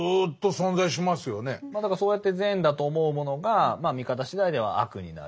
だからそうやって善だと思うものが見方次第では悪になる。